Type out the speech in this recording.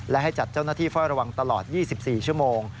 และให้จัดเจ้าหน้าที่เฝ้าระวังตลอด๒๔ชั่วโมง